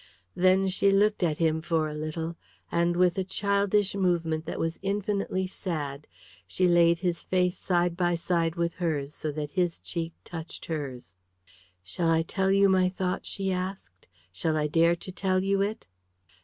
Then she looked at him for a little, and with a childish movement that was infinitely sad she laid his face side by side with hers so that his cheek touched hers. "Shall I tell you my thought?" she asked. "Shall I dare to tell you it?"